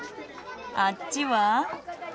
あっちは。